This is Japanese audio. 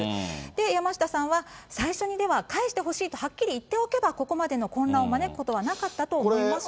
山下さんは、最初にでは返してほしいとはっきり言っておけば、ここまでの混乱を招くことはなかったと思いますと。